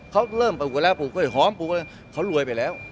เค้าเริ่มปลูกกันแล้วปลูกกันแล้วหอมปลูกกันแล้วเค้ารวยไปแล้ว